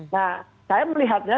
nah saya melihatnya